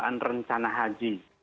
permintaan rencana haji